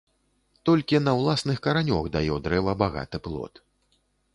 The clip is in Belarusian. Толькі на ўласных каранёх дае дрэва багаты плод